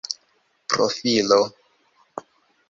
profilo